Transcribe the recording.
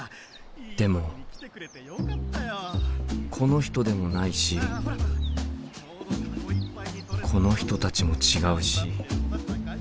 でもこの人でもないしこの人たちも違うし。